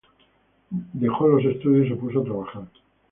Él dejó los estudios y se puso a trabajar.